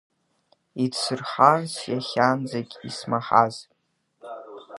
Идсырҳарц иахьанӡагь исмаҳаз.